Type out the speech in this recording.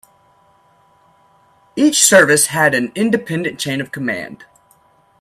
Each service had an independent chain of command.